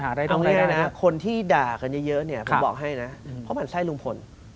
ตรงนี้เลยนะคนที่ด่ากันเยอะเนี่ยผมบอกให้นะเพราะมันใช่ลุงพล